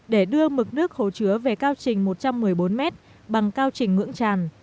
để đưa mực nước hồ chứa về cao trình một trăm một mươi bốn m bằng cao trình ngưỡng tràn